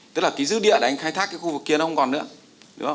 tức là cái dư địa để anh khai thác cái khu vực kia nó không còn nữa